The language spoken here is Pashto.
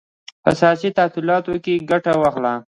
په سیاسي تحولاتو کې ګټه واخلي.